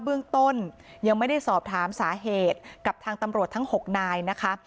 เบื้องต้นยังไม่ได้สอบถามสาเหตุกับทางตำรวจทั้ง๖นายนะคะ